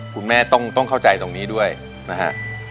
คุณแม่ต้องเข้าใจตรงนี้ด้วยนะฮะ